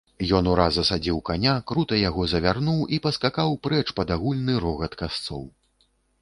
Ён ураз асадзіў каня, крута яго завярнуў і паскакаў прэч пад агульны рогат касцоў.